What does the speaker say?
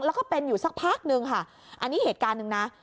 แล้วก็เป็นอยู่สักพักนึงค่ะอันนี้เหตุการณ์หนึ่งนะ